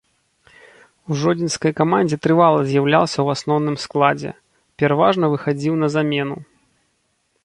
У жодзінскай камандзе трывала з'яўляўся ў асноўным складзе, пераважна выхадзіў на замену.